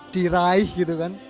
diraih gitu kan